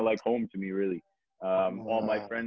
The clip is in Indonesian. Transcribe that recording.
semua teman teman saya di sini